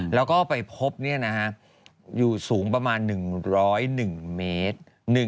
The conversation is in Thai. แล้วก็ไปพบเนี่ยนะฮะอยู่สูงประมาณ๑๐๑เมตร